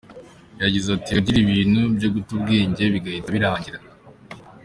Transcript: Yagize atYajyaga agira ibintu byo guta ubwenge bigahita birangira.